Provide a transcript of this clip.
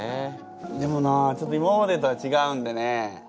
でもなちょっと今までとはちがうんでね。